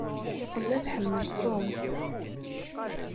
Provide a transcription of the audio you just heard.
Tella tḥemmel Tom.